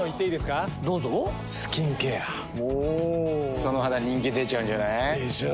その肌人気出ちゃうんじゃない？でしょう。